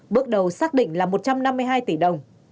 bước đầu xác định là một trăm năm mươi hai tỷ đồng